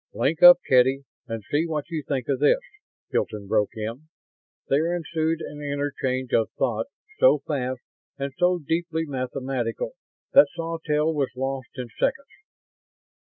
"Link up, Kedy, and see what you think of this," Hilton broke in. There ensued an interchange of thought so fast and so deeply mathematical that Sawtelle was lost in seconds.